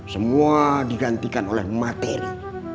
semua digantikan oleh materi